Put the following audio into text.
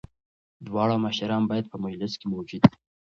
دواړه مشران باید په مجلس کي موجود وي.